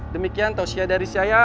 demikian tausia dari saya